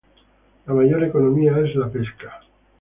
La mayor economía es la pesca.